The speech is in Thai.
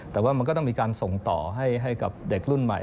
แต่ว่ามันก็ต้องมีการส่งต่อให้กับเด็กรุ่นใหม่